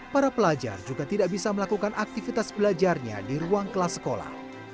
para pelajar juga tidak bisa melakukan aktivitas belajarnya di ruang kelas sekolah